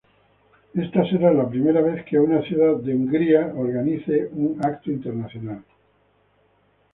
Está será la primera vez que una ciudad de Hungría organiza un evento internacional.